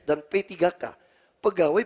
dan p tiga k pegawai